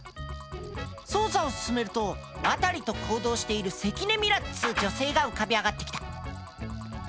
捜査を進めると渡と行動している関根ミラっつう女性が浮かび上がってきた。